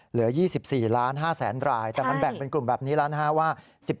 เหลือ๒๔๕๐๐๐รายแต่มันแบ่งเป็นกลุ่มแบบนี้แล้วนะฮะว่า